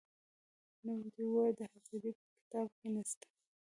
نوم دي ووایه د حاضرۍ په کتاب کې نه سته ،